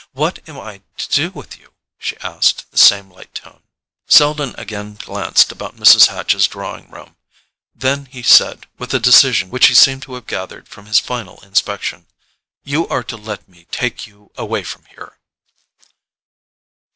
What am I to do with you?" she asked in the same light tone. Selden again glanced about Mrs. Hatch's drawing room; then he said, with a decision which he seemed to have gathered from this final inspection: "You are to let me take you away from here."